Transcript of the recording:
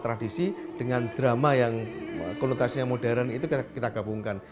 tradisi dengan drama yang konotasinya modern itu kita gabungkan